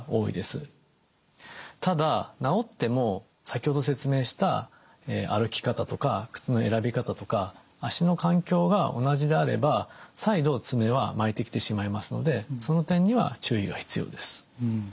ただ治っても先ほど説明した歩き方とか靴の選び方とか足の環境が同じであれば再度爪は巻いてきてしまいますのでその点には注意が必要です。